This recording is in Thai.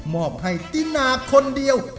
อบให้ตินาคนเดียว